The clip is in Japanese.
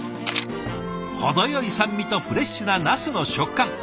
程よい酸味とフレッシュなナスの食感。